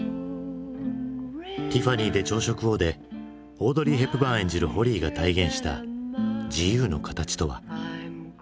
「ティファニーで朝食を」でオードリー・ヘプバーン演じるホリーが体現した自由の形とは？